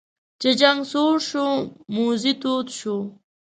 چې جنګ سوړ شو موذي تود شو.